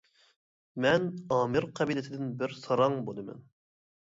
-مەن ئامىر قەبىلىسىدىن بىر ساراڭ بولىمەن.